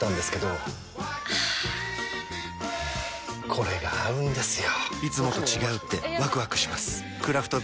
これが合うんですよ！